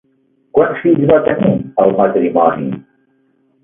Quants fills va tenir el matrimoni?